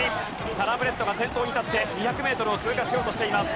サラブレッドが先頭に立って２００メートルを通過しようとしています。